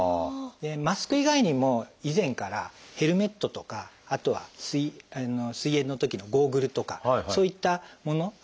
マスク以外にも以前からヘルメットとかあとは水泳のときのゴーグルとかそういったもの。